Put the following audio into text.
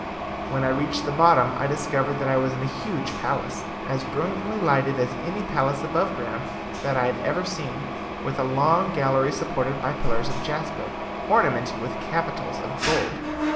When I reached the bottom I discovered that I was in a huge palace, as brilliantly lighted as any palace above ground that I had ever seen, with a long gallery supported by pillars of jasper, ornamented with capitals of gold.